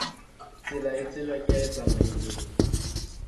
Tsela e tsejwa ke ya e tsamaileng.